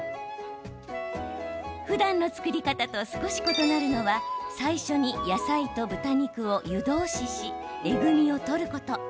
ふだんの作り方と少し異なるのは最初に野菜と豚肉を湯通ししえぐみを取ること。